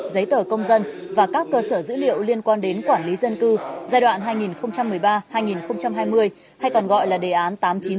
giấy tờ công dân và các cơ sở dữ liệu liên quan đến quản lý dân cư giai đoạn hai nghìn một mươi ba hai nghìn hai mươi hay còn gọi là đề án tám trăm chín mươi sáu